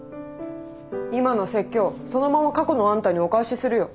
今の説教そのまま過去のあんたにお返しするよ。